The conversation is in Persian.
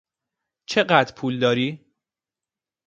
چقدر پول داری؟